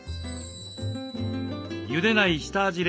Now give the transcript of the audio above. ゆでない下味冷凍